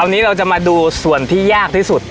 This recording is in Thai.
วันนี้เราจะมาดูส่วนที่ยากที่สุด